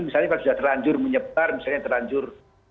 misalnya kalau sudah terlanjur menyebar misalnya terlanjur